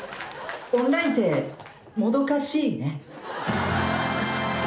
オンラインってもどかしいね。